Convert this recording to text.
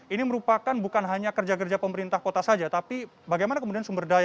ini merupakan bukan hanya kerja kerja pemerintah kota saja tapi bagaimana kemudian sumber daya